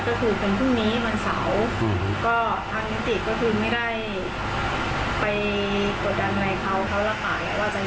ก็ถือเป็นพรุ่งนี้วันเสาร์ก็ทางนิติก็คือไม่ได้ไปกดดันในเขา